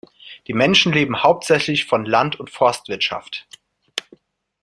Die Menschen leben hauptsächlich von Land- und Forstwirtschaft.